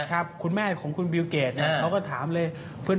ครับคุณแม่ของคุณบิลเกจนะเขาก็ถามเลย